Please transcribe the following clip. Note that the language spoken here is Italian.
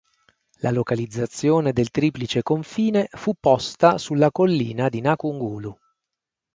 La localizzazione del triplice confine fu posta sulla collina di Nakungulu.